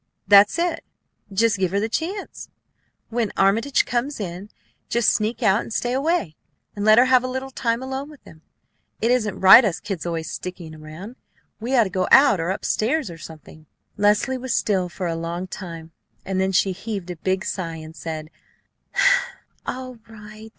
"That's it; just give her the chance. When Armitage comes in, just sneak out and stay away, and let her have a little time alone with him. It isn't right, us kids always sticking around. We ought to go out or up stairs or something." Leslie was still for a long time; and then she heaved a big sigh, and said, "All right!"